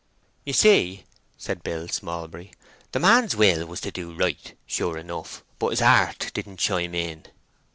"You see," said Billy Smallbury, "The man's will was to do right, sure enough, but his heart didn't chime in."